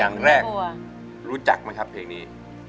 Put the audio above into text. อย่างแรกรู้จักไหมครับเพลงนี้